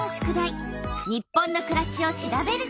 「日本のくらし」を調べること。